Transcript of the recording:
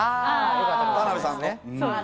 田辺さんの。